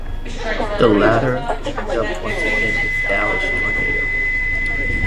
The latter linked up once again with Dallas Tornado.